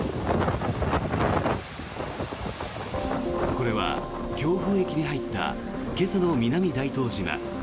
これは強風域に入った今朝の南大東島。